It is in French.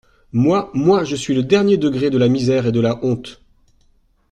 Moi, moi, je suis le dernier degré de la misère et de la honte.